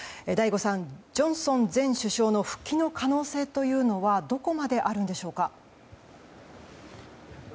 醍醐さん、ジョンソン前首相の復帰の可能性はどこまであるんでしょうか？